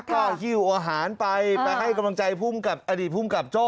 ก็หิ้วอาหารไปไปให้กำลังใจภูมิกับอดีตภูมิกับโจ้